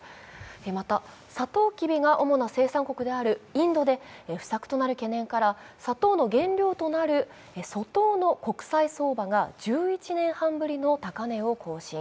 また、サトウキビが主な生産国であるインドで不作となる懸念から、砂糖の原料となる粗糖の国債相場が１１年半ぶりの高値を更新。